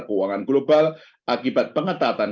keuangan global akibat pengetatan